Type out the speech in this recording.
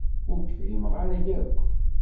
Ur k-fhimeɣ ara akk.